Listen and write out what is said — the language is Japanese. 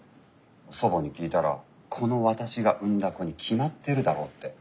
祖母に聞いたらこの私が産んだ子に決まってるだろうって。